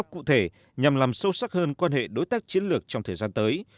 cụ thể nhằm làm sâu sắc hơn quan hệ đối tác chiến lược trong thời gian tới